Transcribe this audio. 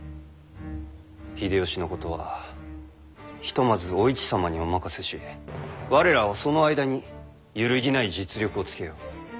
秀吉のことはひとまずお市様にお任せし我らはその間に揺るぎない実力をつけよう。